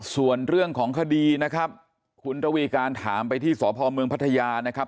ส่วนเรื่องของคดีนะครับคุณระวีการถามไปที่สพเมืองพัทยานะครับ